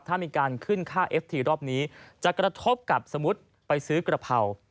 ถ้ามีการขึ้นค่าเอฟทีรอบนี้จะกระทบกับสมมุติไปซื้อกระเพรา